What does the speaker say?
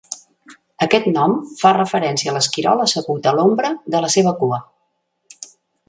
Aquest nom fa referència a l'esquirol assegut a l'ombra de la seva cua.